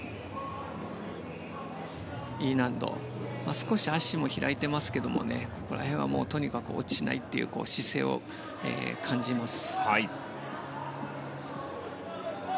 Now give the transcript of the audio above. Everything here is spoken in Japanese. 少し足も開いていますがここら辺はとにかく落ちないという姿勢を感じます。